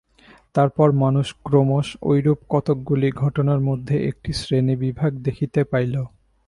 তারপর মানুষ ক্রমশ ঐরূপ কতকগুলি ঘটনার মধ্যে একটি শ্রেণীবিভাগ দেখিতে পাইল।